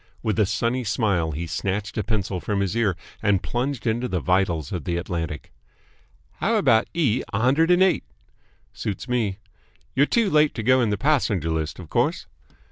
With a sunny smile he snatched a pencil from his ear and plunged it into the vitals of the Atlantic. "How about E. a hundred and eight?" "Suits me." "You're too late to go in the passenger list, of course."